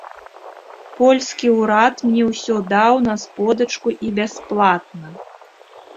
Польскі ўрад мне ўсё даў на сподачку і бясплатна.